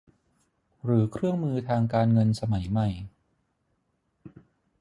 หรือเครื่องมือทางการเงินสมัยใหม่